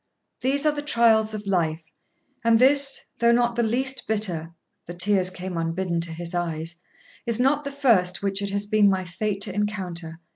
These are the trials of life, and this, though not the least bitter' (the tears came unbidden to his eyes), 'is not the first which it has been my fate to encounter.